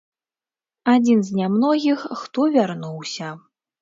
Адзін з нямногіх, хто вярнуўся.